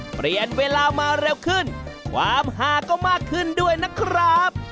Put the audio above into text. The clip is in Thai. เปลี่ยนเวลามาเร็วขึ้นความหาก็มากขึ้นด้วยนะครับ